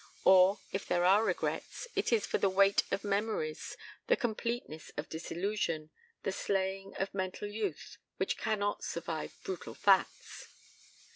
... Or, if there are regrets, it is for the weight of memories, the completeness of disillusion, the slaying of mental youth which cannot survive brutal facts.